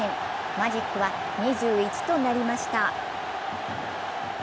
マジックは２１となりました。